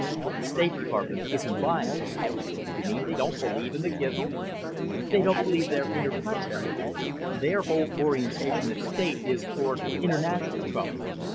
But the State Department isn't buying it." "You mean they don't believe in the Gizls?" "They don't believe they're interplanetary. Their whole orientation at State is toward international trouble.